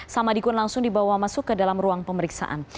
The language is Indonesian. samadikun langsung dibawa masuk ke dalam ruang pemeriksaan